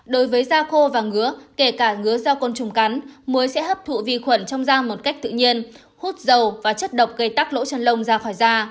đối với da khô và ngứa kể cả ngứa da côn trùng cắn muối sẽ hấp thụ vi khuẩn trong dang một cách tự nhiên hút dầu và chất độc gây tắc lỗ chân lông ra khỏi da